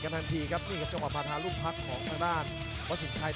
กำลังกาวน์ความทางซ้าย